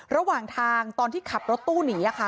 ระหว่างทางตอนที่ขับรถตู้หนีค่ะ